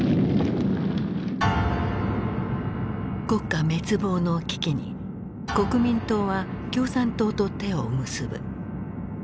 国家滅亡の危機に国民党は共産党と手を結ぶ。